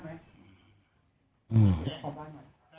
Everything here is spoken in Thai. มันมีกางลือขนในบ้านนะครับ